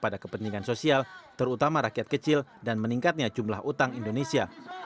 pada kepentingan sosial terutama rakyat kecil dan meningkatnya jumlah utang indonesia